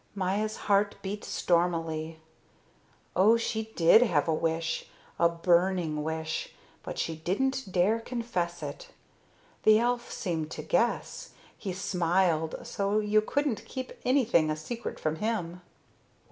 Maya's heart beat stormily. Oh, she did have a wish, a burning wish, but she didn't dare confess it. The elf seemed to guess; he smiled so you couldn't keep anything a secret from him.